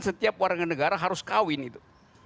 setiap warga negara harus kawin itu